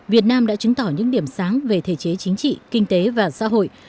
việt nam đã chứng tỏ những điểm sáng về thể chế chính trị kinh tế và xã hội